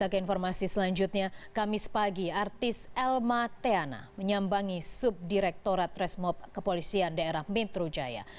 sebagai informasi selanjutnya kamis pagi artis elma teana menyambangi subdirektorat resmob kepolisian daerah metro jaya